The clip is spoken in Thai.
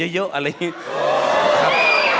ครับ